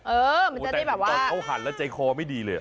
โอ้โหแต่ตอนเขาหั่นแล้วใจคอไม่ดีเลย